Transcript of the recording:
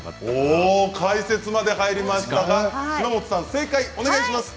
おお解説まで入りましたが島本さん正解お願いします！